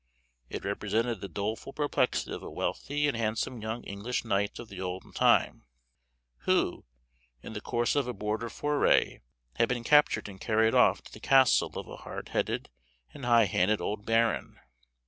It represented the doleful perplexity of a wealthy and handsome young English knight of the olden time, who, in the course of a border foray, had been captured and carried off to the castle of a hard headed and high handed old baron.